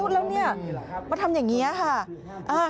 แล้วเนี่ยมาทำอย่างนี้ค่ะ